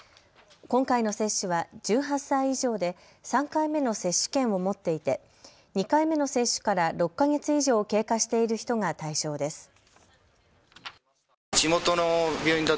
今回の接種は１８歳以上で３回目の接種券を持っていて２回目の接種から６か月以上経過している人が対象です。